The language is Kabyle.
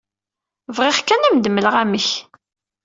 Bɣiɣ kan ad m-d-mmleɣ amek.